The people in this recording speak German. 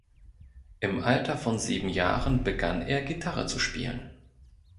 Im Alter von sieben Jahren begann er, Gitarre zu spielen.